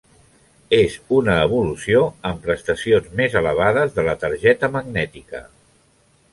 És una evolució amb prestacions més elevades de la targeta magnètica.